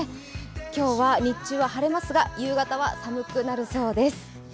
今日は日中は晴れますが夕方は寒くなりそうです。